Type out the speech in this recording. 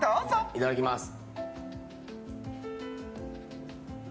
いただきます。